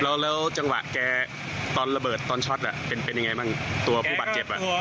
แล้วแล้วจังหวะแกตอนระเบิดตอนช็อตอ่ะเป็นเป็นยังไงบ้างตัวผู้บาดเจ็บอ่ะ